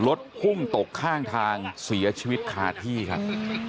รถพุ่งตกข้างทางเสียชีวิตคาที่ครับ